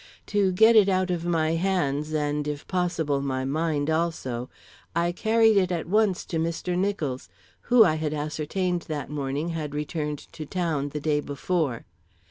To get it out of my hands, and if possible, my mind also, I carried it at once to Mr. Nicholls, who, I had ascertained that morning, had returned to town the day before.